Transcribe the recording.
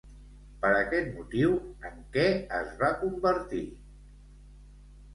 Per aquest motiu, en què es va convertir?